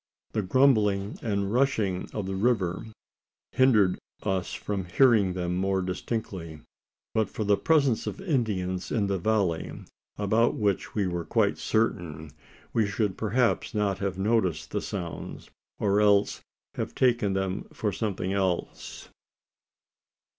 The grumbling and rushing of the river hindered us from hearing them more distinctly. But for the presence of Indians in the valley about which we were quite certain we should perhaps not have noticed the sounds, or else have taken them for something else.